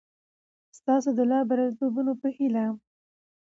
ستاسو د لا بریالیتوبونو په هیله!